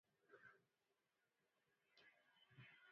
د ژبې، قومیت او کلتور له پلوه بېساری کلک تړاو شتون درلود.